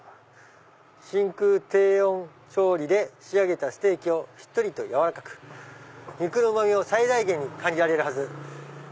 「真空低温調理で仕上げたステーキはしっとりと柔らかく肉の旨味を最大限に感じられるはず」。